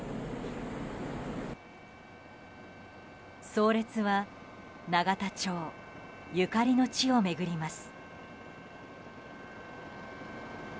葬列は永田町ゆかりの地を巡ります。